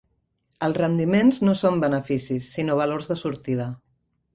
Els "rendiments" no són beneficis, sinó valors de sortida.